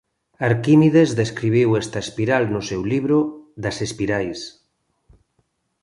Arquímedes describiu esta espiral no seu libro "Das Espirais".